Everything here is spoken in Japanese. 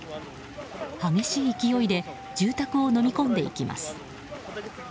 激しい勢いで住宅をのみ込んでいきます。